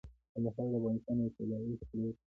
کندهار د افغانستان یو طبعي ثروت دی.